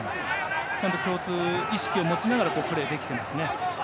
ちゃんと共通意識を持ちながらプレーしていますね。